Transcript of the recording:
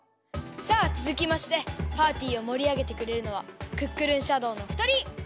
さあつづきましてパーティーをもりあげてくれるのはクックルンシャドーのふたり！